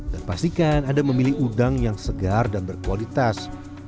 dan pastikan ada memilih udang yang segar dan berkualitas